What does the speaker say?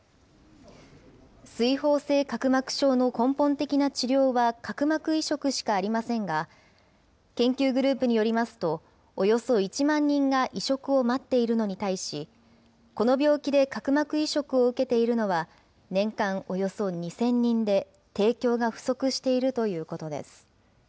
水ほう性角膜症の根本的な治療は角膜移植しかありませんが、研究グループによりますと、およそ１万人が移植を待っているのに対し、この病気で角膜移植を受けているのは、年間およそ２０００人で、提供が不足しているということです。